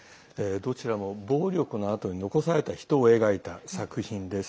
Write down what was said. どちらも暴力のあとに残された人を描いた作品です。